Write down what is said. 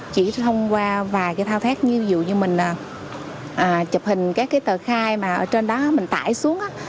chỉ thông qua vài cái thao thét như dù như mình chụp hình các cái tờ khai mà ở trên đó mình tải xuống